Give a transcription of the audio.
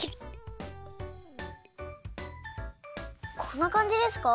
こんなかんじですか？